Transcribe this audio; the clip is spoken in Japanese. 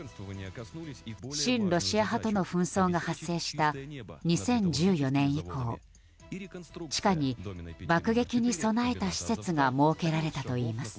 親ロシア派との紛争が発生した２０１４年以降地下に、爆撃に備えた施設が設けられたといいます。